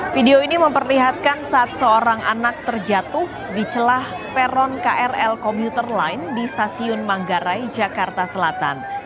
video ini memperlihatkan saat seorang anak terjatuh di celah peron krl komuter line di stasiun manggarai jakarta selatan